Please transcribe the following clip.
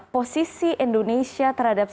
posisi indonesia terhadap